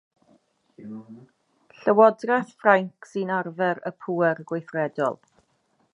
Llywodraeth Ffrainc sy'n arfer y pŵer gweithredol.